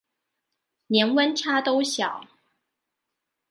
年溫差都小